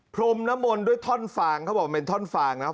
พรมนมลด้วยท่อนฟางเขาบอกว่าเป็นท่อนฟางนะ